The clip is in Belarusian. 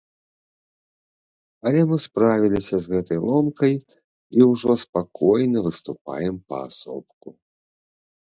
Але мы справіліся з гэтай ломкай і ўжо спакойна выступаем паасобку.